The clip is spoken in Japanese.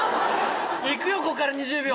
行くよこっから２０秒。